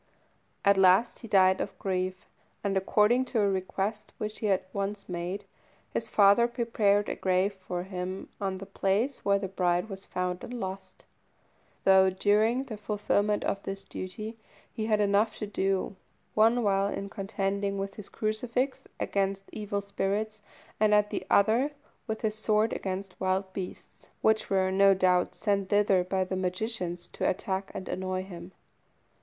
At last he died of grief; and according to a request which he had once made, his father prepared a grave for him on the place where the bride was found and lost, though during the fulfilment of this duty he had enough to do one while in contending with his crucifix against evil spirits, and at another, with his sword against wild beasts, which were no doubt sent thither by the magicians to attack and annoy him.